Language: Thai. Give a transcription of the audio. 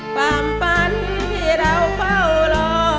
ฟังฟันที่เราเฝ้ารอ